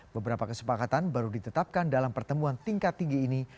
beberapa kesepakatan baru ditetapkan dalam pertemuan tingkat tinggi ini